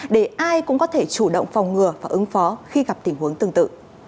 để ai cũng có thể chủ động phòng ngừa và ứng phó khi gặp tình huống tương tự